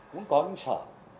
cũng có những sở